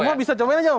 semua bisa cobain aja om